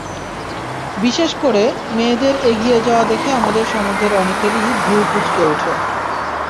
বিশেষ করে, মেয়েদের এগিয়ে যাওয়া দেখে আমাদের সমাজের অনেকেরই ভ্রু কুঁচকে ওঠে।